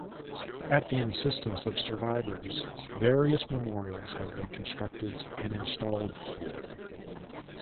At the insistence of survivors, various memorials have been constructed and installed here.